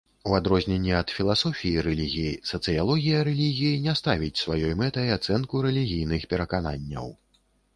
У адрозненне ад філасофіі рэлігіі, сацыялогія рэлігіі не ставіць сваёй мэтай ацэнку рэлігійных перакананняў.